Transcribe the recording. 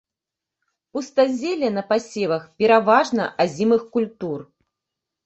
Пустазелле на пасевах пераважна азімых культур.